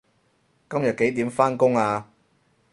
今日幾點返工啊